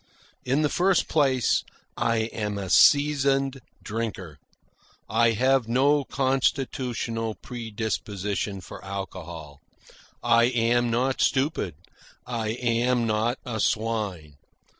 In the first place, I am a seasoned drinker. I have no constitutional predisposition for alcohol. I am not stupid. I am not a swine.